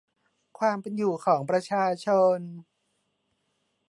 ความเป็นอยู่ของประชาชน